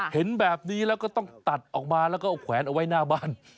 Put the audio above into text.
เห็นแบบนี้แล้วก็ต้องตัดออกมาแล้วก็เอาแขวนเอาไว้หน้าบ้าน